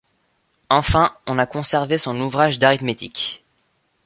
Enfin, on a conservé son ouvrage d'arithmétique.